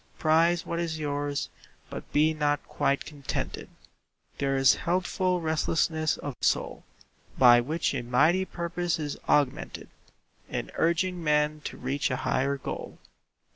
Prize what is yours, but be not quite contented. There is a healthful restlessness of soul By which a mighty purpose is augmented In urging men to reach a higher goal.